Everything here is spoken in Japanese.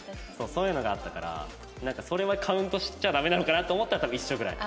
そういうのがあったからそれはカウントしちゃダメなのかなと思ったら多分一緒ぐらい。